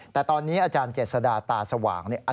แต่ตอนนี้อาจารย์เจษดาตาสว่างเนี่ย